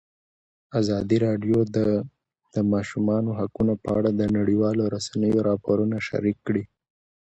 ازادي راډیو د د ماشومانو حقونه په اړه د نړیوالو رسنیو راپورونه شریک کړي.